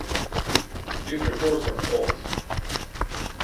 These reports are false.